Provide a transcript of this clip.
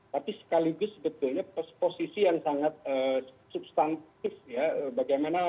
tapi sekaligus sebetulnya posisi yang sangat substansial